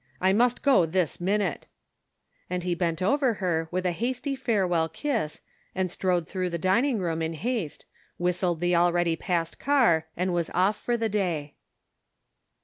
I must go this minute," and he bent over her with a hasty farewell kiss, and strode through the dinning room in haste, whistled the already passed car, and was off for the day.